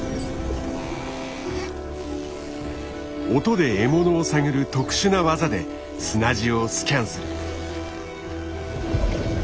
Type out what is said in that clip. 音で獲物を探る特殊な技で砂地をスキャンする。